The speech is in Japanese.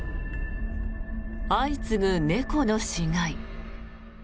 相次ぐ、猫の死骸。